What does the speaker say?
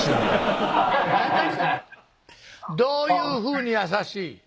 どういうふうに優しい？